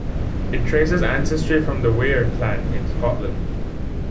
It traces ancestry from the "Weir" clan in Scotland.